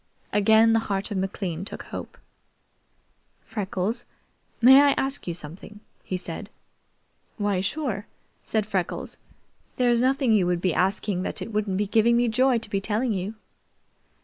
Again the heart of McLean took hope. "Freckles, may I ask you something?" he said. "Why, sure," said Freckles. "There's nothing you would be asking that it wouldn't be giving me joy to be telling you."